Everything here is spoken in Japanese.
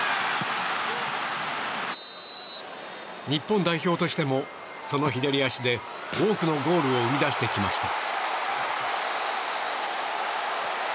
日本代表としても、その左足で多くのゴールを生み出してきました。